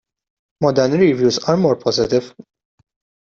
Modern reviews are more positive.